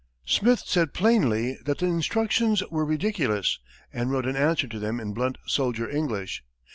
Smith said plainly that the instructions were ridiculous, and wrote an answer to them in blunt soldier English.